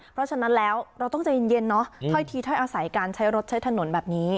เพราะฉะนั้นแล้วเราต้องใจเย็นเนอะถ้อยทีถ้อยอาศัยการใช้รถใช้ถนนแบบนี้